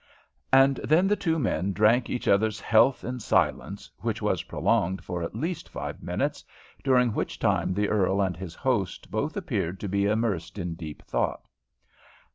And then the two men drank each other's health in silence, which was prolonged for at least five minutes, during which time the earl and his host both appeared to be immersed in deep thought.